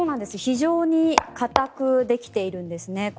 非常に硬くできているんです。